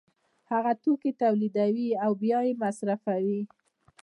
هغه توکي تولیدوي او بیا یې مصرفوي